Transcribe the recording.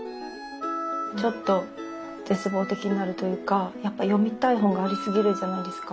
ちょっと絶望的になるというかやっぱ読みたい本がありすぎるじゃないですか。